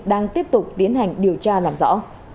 đang tiếp tục tiến hành điều tra làm rõ